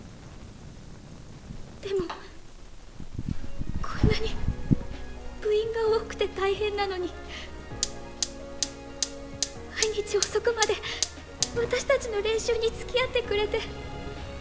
でもこんなに部員が多くて大変なのに毎日遅くまで私たちの練習につきあってくれて。